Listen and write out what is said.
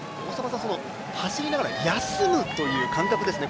走りながら休むという感覚ですね